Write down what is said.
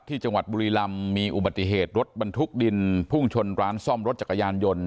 ที่จังหวัดบุรีลำมีอุบัติเหตุรถบรรทุกดินพุ่งชนร้านซ่อมรถจักรยานยนต์